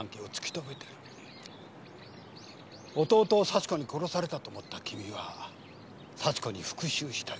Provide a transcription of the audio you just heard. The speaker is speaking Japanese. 弟を幸子に殺されたと思った君は幸子に復讐したい。